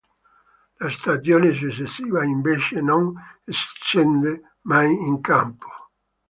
La stagione successiva invece non scende mai in campo.